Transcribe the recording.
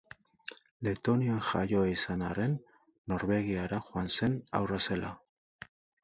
Letonian jaioa izan arren Norvegiara joan zen haurra zela.